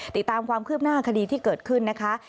ติดตามความคืบหน้าคดีที่เกิดขึ้นนะคะ